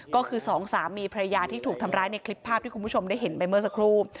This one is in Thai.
ก็คือสองสามีภรรยาที่ถูกทำร้ายในคลิปภาพที่คุณผู้ชมได้เห็นไปเมื่อสักครู่